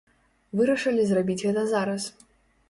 Вырашылі зрабіць гэта зараз.